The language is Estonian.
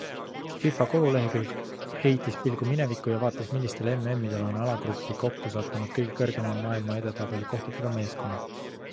FIFA kodulehekülg heitis pilgu minevikku ja vaatas, millistel MMidel on alagruppi kokku sattunud kõige kõrgema maailma edetabeli kohtadega meeskonnad.